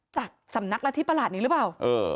จากสำนักรัฐธิประหลาดนี้หรือเปล่า